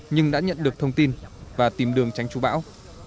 nhưng đã nhận được thông tin và tìm đường tránh chú bão